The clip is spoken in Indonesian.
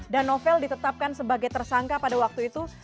dan novel ditetapkan sebagai tersangka pada waktu itu